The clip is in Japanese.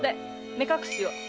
目隠しを。